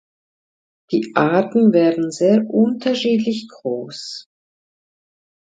Die Arten werden sehr unterschiedlich groß.